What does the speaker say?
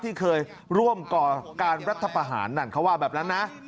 ที่เคยร่วมก่อการรัฐประหารนั่นเขาว่าแบบนั้นนะ